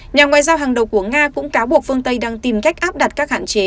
nhà ngoại giao hàng đầu của nga cũng cáo buộc phương tây đang tìm cách áp đặt các hạn chế